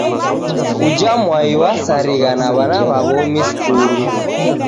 Uja mwai wasarigha na w'ana w'a w'omi skulu.